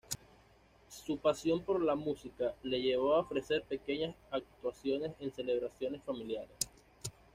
Su pasión por la música le llevó a ofrecer pequeñas actuaciones en celebraciones familiares.